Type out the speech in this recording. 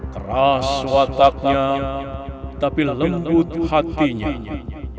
keras wataknya tapi lembut hatinya